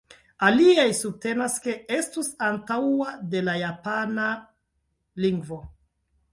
Aliaj subtenas ke estus antaŭa de la japana lingvo.